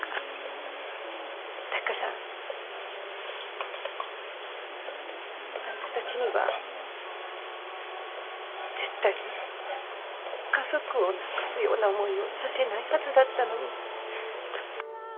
だからあんたたちには絶対に家族を亡くすような思いをさせないはずだったのに。